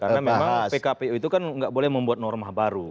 karena memang pkpu itu kan nggak boleh membuat norma baru